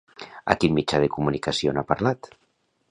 A quin mitjà de comunicació n'ha parlat?